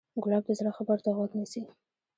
ګلاب د زړه خبرو ته غوږ نیسي.